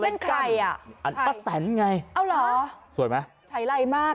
เป็นใครอ่ะอันป้าแตนไงเอาเหรอสวยไหมใช้ไรมาก